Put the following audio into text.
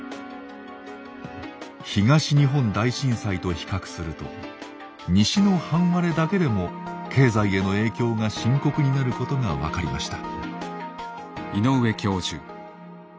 東日本大震災と比較すると西の半割れだけでも経済への影響が深刻になることが分かりました。